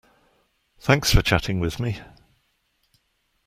Thanks for chatting with me.